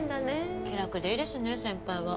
気楽でいいですね先輩は。